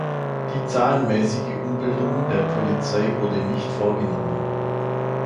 Die zahlenmäßige Umbildung der Polizei wurde nicht vorgenommen.